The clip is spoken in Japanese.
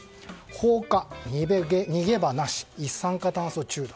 放火、逃げ場なし一酸化炭素中毒。